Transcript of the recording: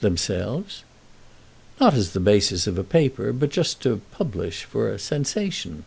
"Themselves?" "Not as the basis of a paper, but just to publish—for a sensation."